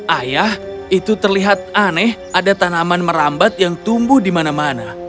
ayah itu terlihat aneh ada tanaman merambat yang tumbuh di mana mana